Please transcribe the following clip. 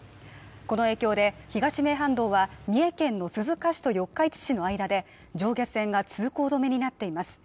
この影響で東名阪道は三重県の鈴鹿市と四日市市の間で上下線が通行止めになっています